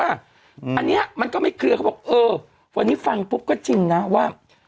อันนี้มันก็ไม่เคลือวันนี้ฟังปุ๊บถึงว่า